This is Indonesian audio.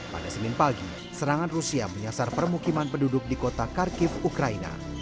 pada senin pagi serangan rusia menyasar permukiman penduduk di kota kharkiv ukraina